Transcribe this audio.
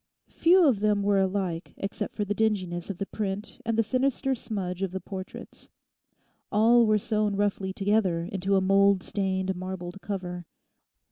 Few of them were alike except for the dinginess of the print and the sinister smudge of the portraits. All were sewn roughly together into a mould stained, marbled cover.